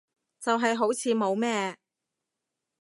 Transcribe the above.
就係好似冇咩